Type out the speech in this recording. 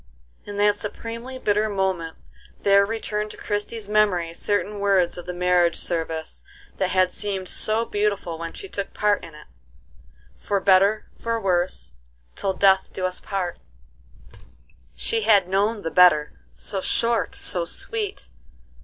In that supremely bitter moment there returned to Christie's memory certain words of the marriage service that had seemed so beautiful when she took part in it: "For better for worse, till death us do part." She had known the better, so short, so sweet!